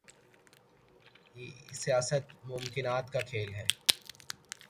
ہی سیاست ممکنات کا کھیل ہے۔